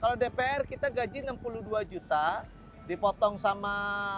kalau dpr kita gaji enam puluh dua juta dipotong sama